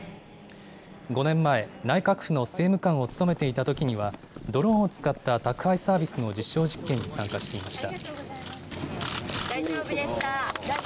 ５年前、内閣府の政務官を務めていたときには、ドローンを使った宅配サービスの実証実験に参加していました。